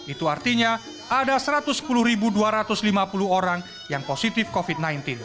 itu artinya ada satu ratus sepuluh dua ratus lima puluh orang yang positif covid sembilan belas